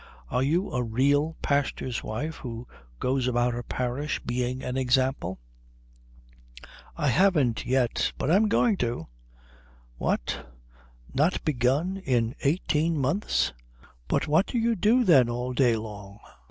Are you a real pastor's wife who goes about her parish being an example?" "I haven't yet. But I'm going to." "What not begun in eighteen months? But what do you do then all day long?"